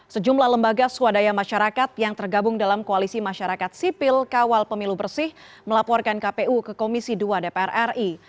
sejumlah lembaga swadaya masyarakat yang tergabung dalam koalisi masyarakat sipil kawal pemilu bersih melaporkan kpu ke komisi dua dpr ri